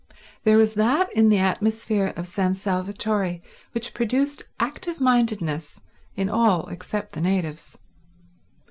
There was that in the atmosphere of San Salvatore which produced active mindedness in all except the natives.